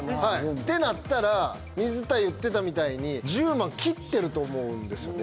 ってなったら水田言ってたみたいにと思うんですよね